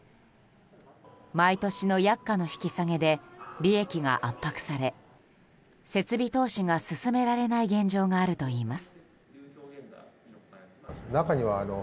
毎年の薬価の引き下げで利益が圧迫され設備投資が進められない現状があるといいます。